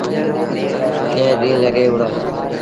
ڪئيٚن ڏيٚݩهݩ لڳي وُهڙآ۔